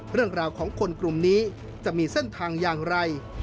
เรื่องราวของคนกลุ่มนี้จะมีเส้นทางอย่างไร